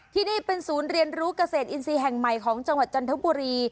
ที่นี่เป็นศูนย์เรียนรู้เกษตรอินทรีย์แห่งใหม่ของจังหวัดจันทบุรี